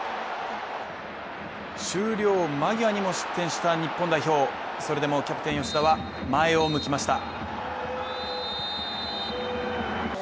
終了間際にも失点した日本代表、それでもキャプテン・吉田は前を向きました。